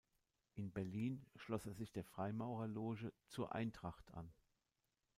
In Berlin schloss er sich der Freimaurerloge "Zur Eintracht" an.